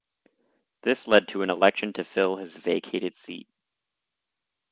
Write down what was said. This led to an election to fill his vacated seat.